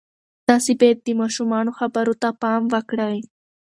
تاسې باید د ماشومانو خبرو ته پام وکړئ.